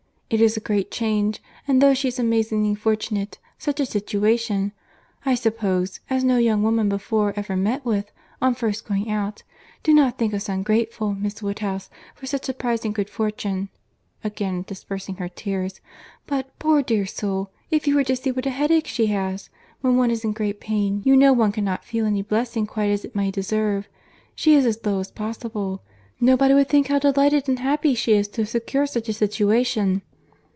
It is a great change; and though she is amazingly fortunate—such a situation, I suppose, as no young woman before ever met with on first going out—do not think us ungrateful, Miss Woodhouse, for such surprising good fortune—(again dispersing her tears)—but, poor dear soul! if you were to see what a headache she has. When one is in great pain, you know one cannot feel any blessing quite as it may deserve. She is as low as possible. To look at her, nobody would think how delighted and happy she is to have secured such a situation.